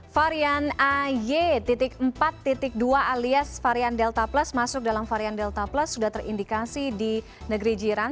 varian ay empat dua alias varian delta plus masuk dalam varian delta plus sudah terindikasi di negeri jiran